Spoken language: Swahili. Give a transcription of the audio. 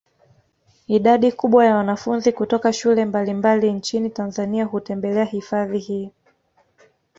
Idadi kubwa ya wanafunzi kutoka shule mbalimbali nchini Tanzania hutembelea hifadhi hii